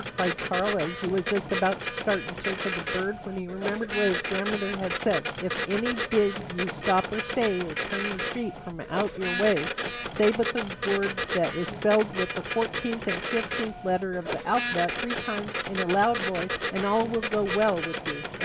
cried Karl; and he was just about to start in search of the bird when he remembered what his grandmother had said: "If any bid you stop or stay, or turn your feet from out your way, say but the word that is spelled with the fourteenth and fifteenth letters of the alphabet three times in a loud voice, and all will go well with you."